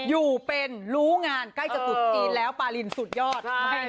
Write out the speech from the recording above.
อยู่เป็นรู้งานใกล้จะตุดจีนแล้วปารินสุดยอด